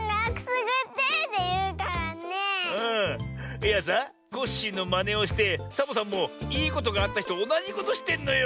いやさコッシーのまねをしてサボさんもいいことがあったひとおなじことしてんのよ。